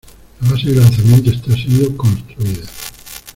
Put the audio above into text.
La base de lanzamiento está siendo construida.